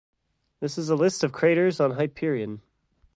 This is a list of craters on Hyperion.